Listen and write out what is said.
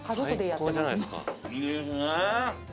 いいですね。